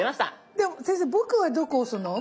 先生僕はどこ押すの？